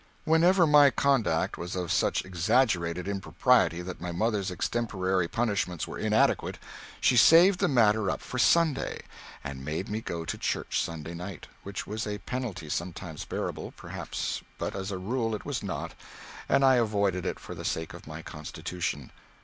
Whenever my conduct was of such exaggerated impropriety that my mother's extemporary punishments were inadequate, she saved the matter up for Sunday, and made me go to church Sunday night which was a penalty sometimes bearable, perhaps, but as a rule it was not, and I avoided it for the sake of my constitution.